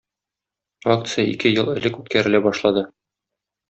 Акция ике ел элек үткәрелә башлады.